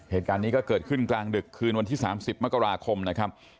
เหตุการณ์นี้ก็เกิดขึ้นกลางดึกคืนวันที่๓๐มกราคมนะครับ